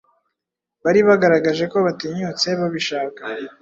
Bari bagaragaje ko batinyutse babishaka